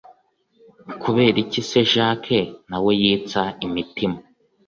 kuberiki se jakc nawe yitsa imitima